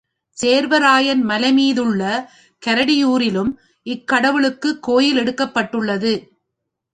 சேர்வராயன் மலைமீதுள்ள கரடியூரிலும் இக்கடவுளுக்குக் கோயில் எடுக்கப்பட்டுள்ளது.